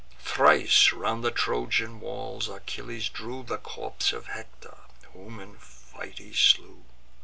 Thrice round the Trojan walls Achilles drew The corpse of Hector, whom in fight he slew.